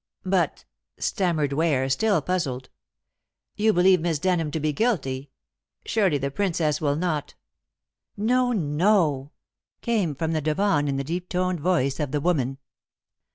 "But," stammered Ware, still puzzled, "you believe Miss Denham to be guilty. Surely the Princess will not " "No, no!" came from the divan in the deep toned voice of the woman.